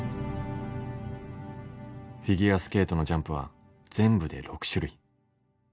フィギュアスケートのジャンプは全部で６種類。